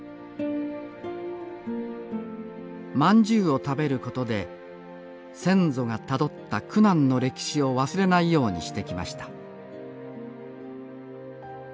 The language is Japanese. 饅頭を食べる事で先祖がたどった苦難の歴史を忘れないようにしてきました